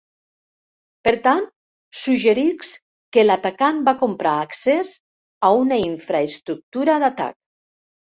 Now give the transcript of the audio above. Per tant suggerisc que l'atacant va comprar accés a una infraestructura d'atac.